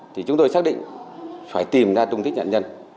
thì chúng tôi xác định phải tìm ra tung tích nạn nhân